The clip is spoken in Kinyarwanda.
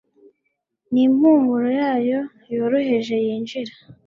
n'impumuro yayo yoroheje yinjira